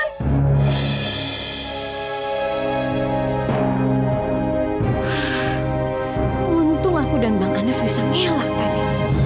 untung aku dan bang anies bisa ngelak tadi